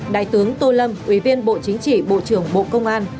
đại tướng tô lâm ủy viên bộ chính trị bộ trưởng bộ công an